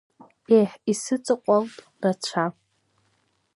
Еҳ, исыҵаҟәалт рацәа!